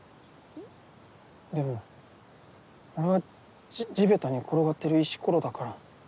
でも俺は地べたに転がってる石ころだから。